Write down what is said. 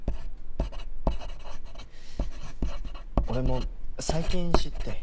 俺も最近知って。